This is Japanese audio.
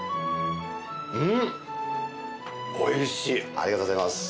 ありがとうございます。